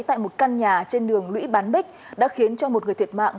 tại một căn nhà trên đường lũy bán bích đã khiến cho một người thiệt mạng